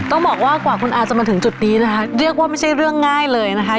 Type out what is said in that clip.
ต้องบอกว่ากว่าคุณอาจะมาถึงจุดนี้นะคะเรียกว่าไม่ใช่เรื่องง่ายเลยนะคะ